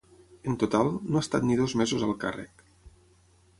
En total, no ha estat ni dos mesos al càrrec.